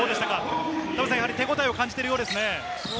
田臥さん、手応えを感じているようですね。